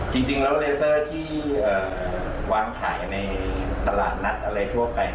จริงแล้วเลเซอร์ที่วางขายในตลาดนัดอะไรทั่วไป